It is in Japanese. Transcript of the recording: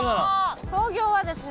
創業はですね